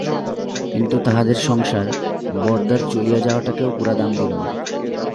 কিন্তু তাহাদের সংসার বরদার চলিয়া যাওয়াটাকেও পুরা দাম দিল না।